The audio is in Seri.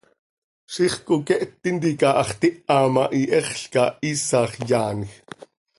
Ziix coqueht tintica hax tiha ma, ihexl cah, iisax yaanj.